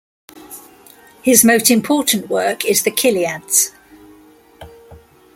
His most important work is the Chiliades.